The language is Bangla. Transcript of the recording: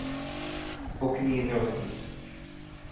ওকে নিয়ে যাও এখান থেকে।